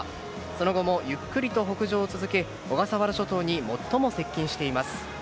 その後も、ゆっくりと北上を続け小笠原諸島に最も接近しています。